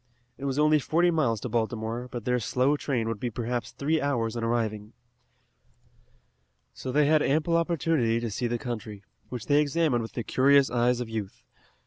It was only forty miles to Baltimore, but their slow train would be perhaps three hours in arriving. So they had ample opportunity to see the country, which they examined with the curious eyes of youth.